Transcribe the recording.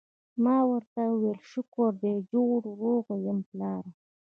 ما ورته وویل: شکر دی جوړ او روغ یم، پلاره.